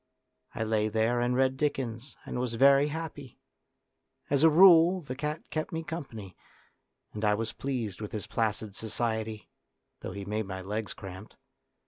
I lay there and read Dickens and was very happy. As a rule the cat kept me company, and I was pleased with his placid society, though he made my legs cramped.